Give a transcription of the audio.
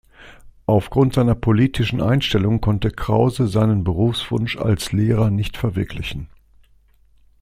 Aufgrund seiner politischen Einstellung konnte Krause seinen Berufswunsch als Lehrer nicht verwirklichen.